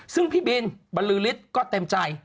ซึ่งพี่บินบรรลือฤทธิ์ก็เต็มใจ